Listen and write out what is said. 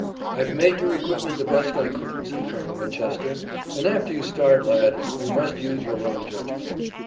"I've made your equipment the best I could," said Colonel Winchester, "and after you start, lad, you must use your own judgment."